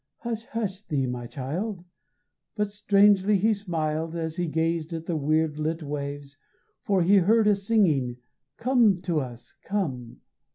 "Hush, hush thee, my child!" But strangely he smiled As he gazed at the weird lit waves. For he heard a singing "Come to us, come!"